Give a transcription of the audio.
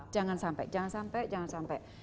jangan sampai jangan sampai jangan sampai